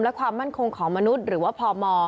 และความมั่นคงของมนุษย์หรือว่าพม